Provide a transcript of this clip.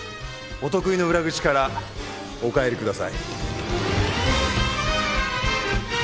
お得意の裏口からお帰りください。